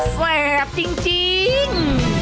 แซ่บจริง